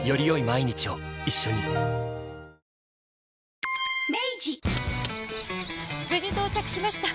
はい無事到着しました！